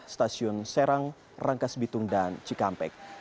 stasiun serang rangkas bitung dan cikampek